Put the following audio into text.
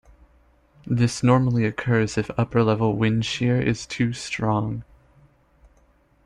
This normally occurs if upper-level wind shear is too strong.